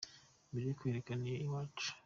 Mbere yo kwerekera iyo iwacu